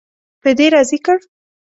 په دې راضي کړ.